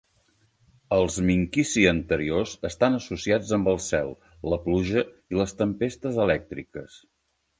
Els "minkisi" anteriors estan associats amb el cel, la pluja i les tempestes elèctriques.